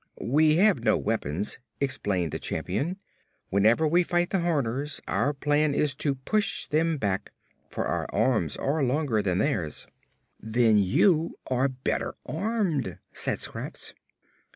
"We have no weapons," explained the Champion. "Whenever we fight the Horners, our plan is to push them back, for our arms are longer than theirs." "Then you are better armed," said Scraps.